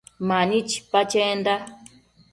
Mani chipa chenda